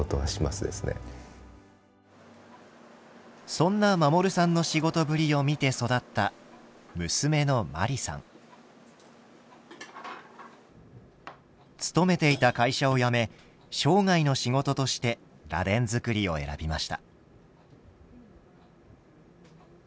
そんな守さんの仕事ぶりを見て育った娘の勤めていた会社を辞め生涯の仕事として螺鈿作りを選びました。